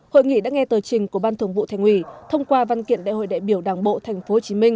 hội nghị đã nghe tờ trình của ban thường vụ thành ủy thông qua văn kiện đại hội đại biểu đảng bộ tp hcm